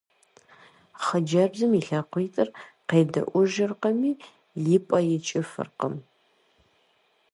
Хъыджэбзым и лъакъуитӀыр къедэӀуэжыркъыми, и пӀэ икӀыфыркъым.